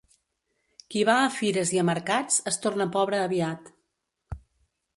Qui va a fires i a mercats es torna pobre aviat.